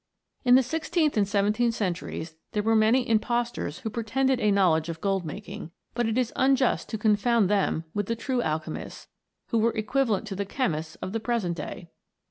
In the sixteenth and seventeenth centuries there were many impostors who pretended a knowledge of gold making ; but it is unjust to confound them with the true alchemists, who were equivalent to the chemists of the present day.